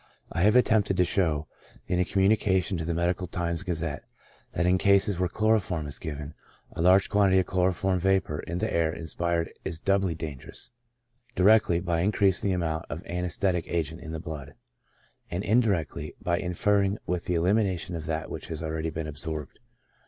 I have at tempted to show, in a communication to the " Medical Times and Gazette," that in cases where chloroform is giv en, a large quantity of chloroform vapor in the air inspired is doubly dangerous ; directly, by increasing the amount of this anaesthetic agent in the blood, and indirectly, by inter fering with the elimination of that which has already been absorbed."